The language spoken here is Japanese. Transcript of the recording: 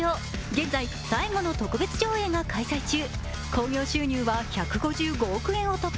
現在、最後の特別上映が開催中。